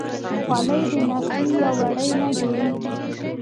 خولۍ د نخي یا وړۍ نه جوړیږي.